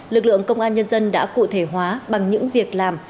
lực lượng công an nhân dân đã cụ thể hóa bằng những việc làm